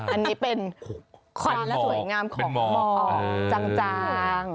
อันนี้เป็นความสวยงามของหมอจาง